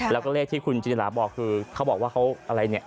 แล้วก็เลขที่คุณจินตราบอกคือเขาบอกว่าเขาอะไรเนี่ย